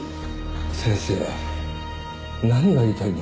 先生何が言いたいんです？